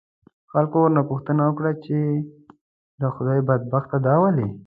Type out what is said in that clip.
خلکو ورنه پوښتنه وکړه، چې آ د خدای بدبخته دا ولې؟